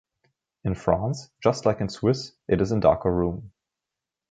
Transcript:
In France, just like in Swiss, it is in darker room.